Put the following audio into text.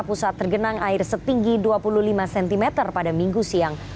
pusat tergenang air setinggi dua puluh lima cm pada minggu siang